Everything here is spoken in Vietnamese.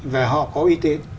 và họ có uy tín